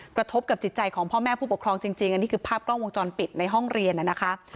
กระทบกับจิตใจของพ่อแม่ผู้ปกครองจริงอันนี้คือภาพกล้องวงจรปิดในห้องเรียนนะคะ